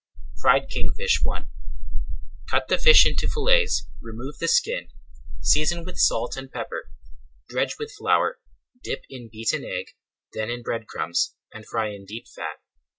FRIED KINGFISH I Cut the fish into fillets, remove the skin, season with salt and pepper, dredge with flour, dip in beaten egg, then in bread crumbs, and fry in deep fat.